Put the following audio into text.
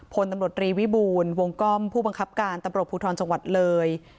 พลตำรวจรีวิบูรณ์วงกล้อมผู้บังคับการตำรวจภูทรจังหวัดเลย